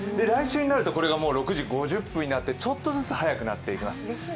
来週になると６時５０分になって、ちょっとずつ早くなっていきます